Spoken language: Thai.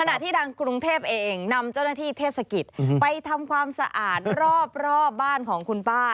ขณะที่ทางกรุงเทพเองนำเจ้าหน้าที่เทศกิจไปทำความสะอาดรอบบ้านของคุณป้า